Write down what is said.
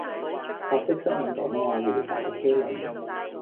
法式濕吻廣東話叫做「打茄輪」